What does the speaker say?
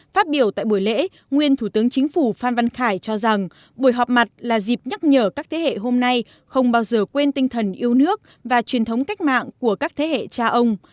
phát biểu tại buổi lễ nguyên thủ tướng chính phủ phan văn khải cho rằng buổi họp mặt là dịp nhắc nhở các thế hệ hôm nay không bao giờ quên tinh thần yêu nước và truyền thống cách mạng của các thế hệ cha ông